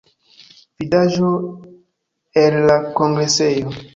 Vidaĵo el la kongresejo.